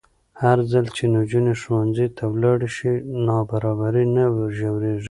هرځل چې نجونې ښوونځي ته ولاړې شي، نابرابري نه ژورېږي.